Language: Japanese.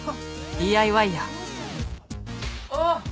ＤＩＹやあっ！